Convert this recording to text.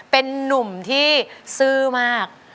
เป็นนุ่มที่ซื่อมาก